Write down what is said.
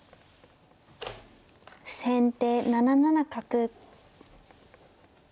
先手７七角。